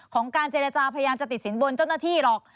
การเจรจาพยายามจะติดสินบนเจ้าหน้าที่หรอก